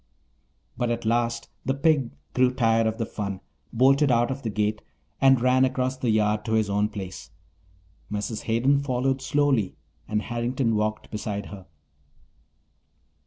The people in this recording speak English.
But at last the pig grew tired of the fun, bolted out of the gate, and ran across the yard to his own place. Mrs. Hayden followed slowly and Harrington walked beside her.